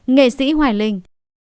nghệ sĩ hoài linh